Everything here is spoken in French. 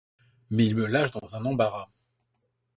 Mais il me lâche dans un embarras!